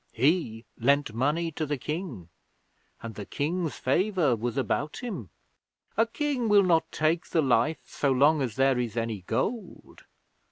He lent money to the King, and the King's favour was about him. A King will not take the life so long as there is any gold.